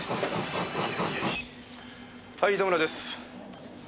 はい糸村です。